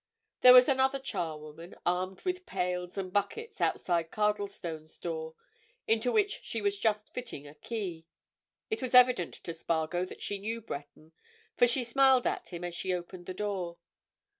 There was another charwoman, armed with pails and buckets, outside Cardlestone's door, into which she was just fitting a key. It was evident to Spargo that she knew Breton, for she smiled at him as she opened the door.